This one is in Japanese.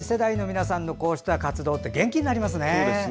幅広い世代の皆さんのこうした活動って元気になりますね。